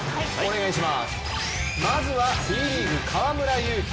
まずはＢリーグ、河村勇輝。